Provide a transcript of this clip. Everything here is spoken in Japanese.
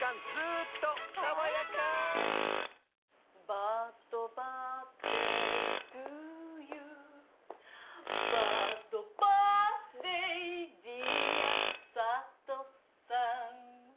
・「バッドバースデートゥーユー」「バッドバースデーディア佐都さん」